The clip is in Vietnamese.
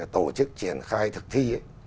tổ chức triển khai thực thi